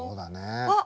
あっ！